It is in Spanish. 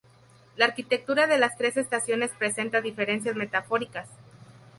La arquitectura de las tres estaciones presenta diferencias metafóricas.